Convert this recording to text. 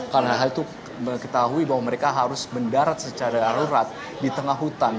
karena hal itu mengetahui bahwa mereka harus mendarat secara arurat di tengah hutan